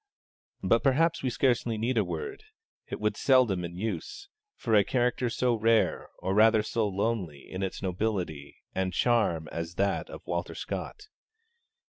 But perhaps we scarcely need a word (it would be seldom in use) for a character so rare, or rather so lonely, in its nobility and charm as that of Walter Scott.